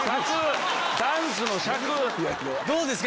どうですか？